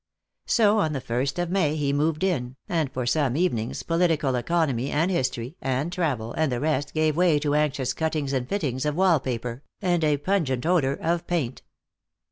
So on the first of May he moved in, and for some evenings Political Economy and History and Travel and the rest gave way to anxious cuttings and fittings of wall paper, and a pungent odor of paint.